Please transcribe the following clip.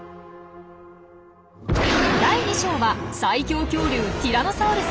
第２章は最強恐竜ティラノサウルス。